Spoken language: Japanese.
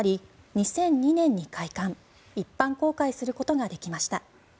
２００２年に開館一般公開することができました。